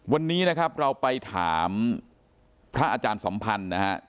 วันนี้นะครับเราไปถามพระอาจารย์สัมพันธ์นะฮะ